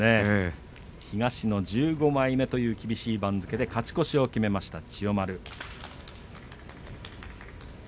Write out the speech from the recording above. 東の１５枚目という厳しい番付で勝ち越しを決めました千代丸。